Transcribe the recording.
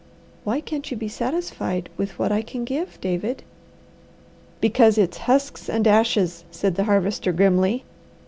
Why can't you be satisfied with what I can give, David?" "Because it's husks and ashes," said the Harvester grimly.